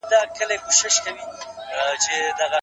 انلاين زده کړه زده کوونکي د سبق تکرار کول.